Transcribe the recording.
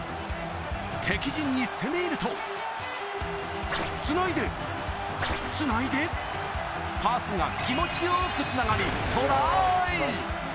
敵陣に攻め入ると、繋いで、繋いで、パスが気持ちよくつながりトライ！